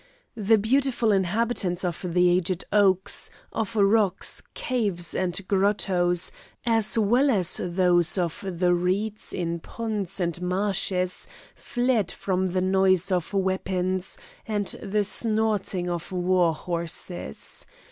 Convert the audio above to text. The beautiful inhabitants of the aged oaks, of rocks, caves and grottoes, as well as those of the reeds in ponds and marshes fled from the noise of weapons, and the snorting of war horses.